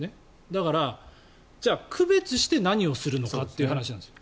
だから、じゃあ、区別して何をするのかという話なんです。